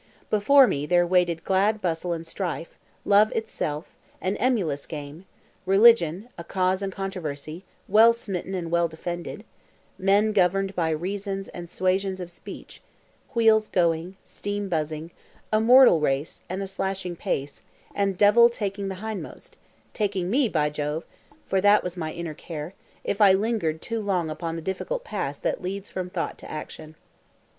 Before me there waited glad bustle and strife; love itself, an emulous game; religion, a cause and a controversy, well smitten and well defended; men governed by reasons and suasion of speech; wheels going, steam buzzing—a mortal race, and a slashing pace, and the devil taking the hindmost—taking me, by Jove (for that was my inner care), if I lingered too long upon the difficult pass that leads from thought to action.